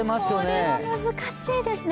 これは難しいですね。